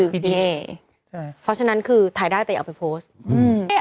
เพราะฉะนั้นคือถ่ายได้แต่อย่าเอาไปโพสต์